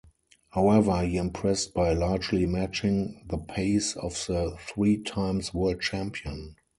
However, he impressed by largely matching the pace of the three-times World Champion.